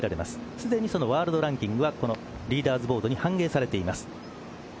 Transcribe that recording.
既にワールドランキングはリーダーズボードに反映されています。